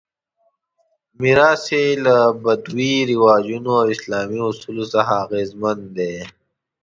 میراث یې له بدوي رواجونو او اسلامي اصولو څخه اغېزمن دی.